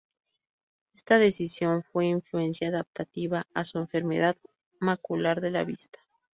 Esta decisión fue influencia adaptativa a su enfermedad macular de la vista.